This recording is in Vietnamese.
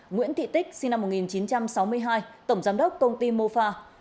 nguyễn thị tích sinh năm một nghìn chín trăm sáu mươi hai tổng giám đốc công ty mofa